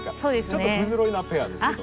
ちょっと不ぞろいなペアですけど。